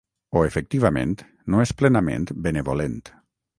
O efectivament, no és plenament benevolent.